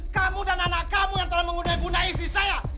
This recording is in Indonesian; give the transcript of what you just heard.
kamu dan anak kamu yang telah menggunakan isi saya